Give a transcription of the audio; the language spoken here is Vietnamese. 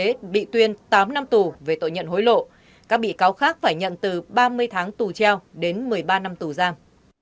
cựu phó tổng giám đốc việt á phan quốc việt bị tuyên tám năm tù về tội nhận hối lộ các bị cáo khác phải nhận từ ba mươi tháng tù treo đến một mươi ba năm tù giam